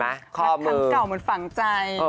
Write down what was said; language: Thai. ทางเก่าเหมือนฝั่งใจ